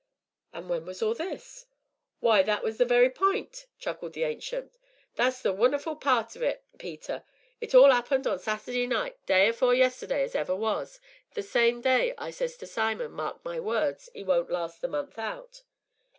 "And when was all this?" "Why, that's the very p'int," chuckled the Ancient, "that's the wonnerful part of it, Peter. It all 'appened on Sat'day night, day afore yesterday as ever was the very same day as I says to Simon, 'mark my words, 'e won't last the month out.'"